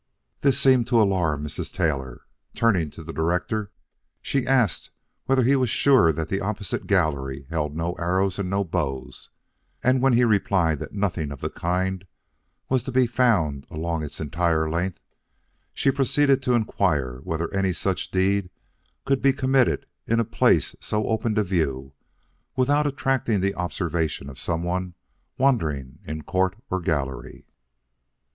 "'This seemed to alarm Mrs. Taylor. Turning to the director, she asked whether he was sure that the opposite gallery held no arrows and no bows; and when he replied that nothing of the kind was to be found along its entire length, she proceeded to inquire whether any such deed could be committed in a place so open to view, without attracting the observation of some one wandering in court or gallery.